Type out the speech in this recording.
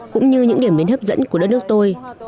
cũng như những điểm biến hấp dẫn của đất nước tôi